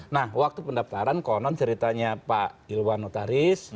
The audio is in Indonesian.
nah waktu pendaftaran konon ceritanya pak ilwan notaris